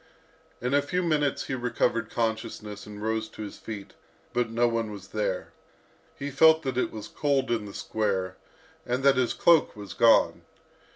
In a few minutes he recovered consciousness, and rose to his feet, but no one was there. He felt that it was cold in the square, and that his cloak was gone.